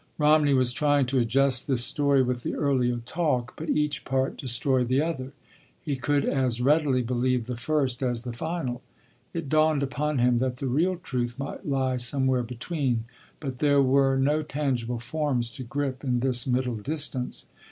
Romney was trying to adjust this story with the earlier talk, but each part destroyed the other. He could as readily believe the first as the final. It dawned upon him that the real truth might lie somewhere between, but there were no tangible forms to grip in this middle distance.